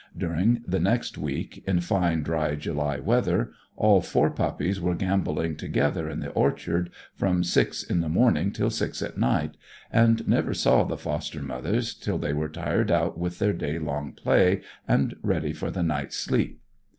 During the next week in fine, dry July weather all four puppies were gambolling together in the orchard, from six in the morning till six at night, and never saw the foster mothers till they were tired out with their day long play and ready for the night's sleep.